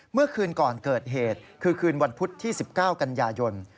เมื่อคืนก่อนเกิดเหตุคือคืนวันพุธที่๑๙กันยายน